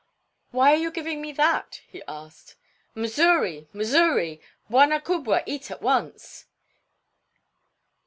"Why are you giving me that?" he asked. "Msuri, msuri! Bwana kubwa eat at once."